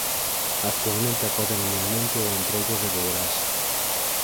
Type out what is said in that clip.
Actualmente acoden anualmente ó Entroido de Boborás.